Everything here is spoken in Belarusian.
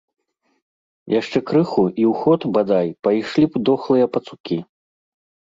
Яшчэ крыху, і ў ход, бадай, пайшлі б дохлыя пацукі.